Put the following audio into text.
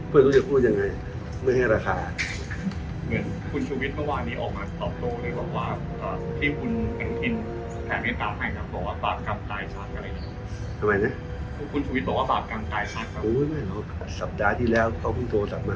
ไม่รู้จะพูดยังไงไม่ให้ราคาเหมือนคุณชุวิตเมื่อวานนี้ออกมา